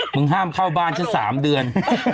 มึงห้ามเข้าบ้านเจ้า๓เดือน